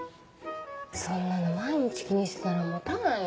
そんなの毎日気にしてたら持たないよ？